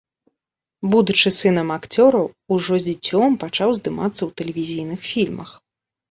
Будучы сынам акцёраў, ужо дзіцем пачаў здымацца ў тэлевізійных фільмах.